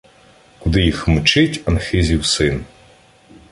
Куди їх мчить Анхизів син.